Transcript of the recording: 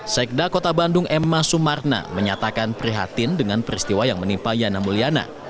sekda kota bandung emma sumarna menyatakan prihatin dengan peristiwa yang menimpa yana mulyana